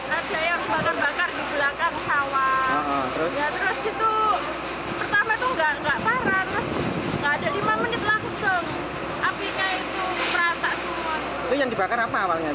raja yang bakar bakar di belakang sawah